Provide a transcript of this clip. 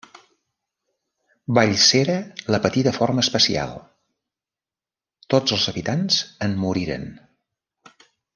Vallsera la patí de forma especial: tots els habitants en moriren.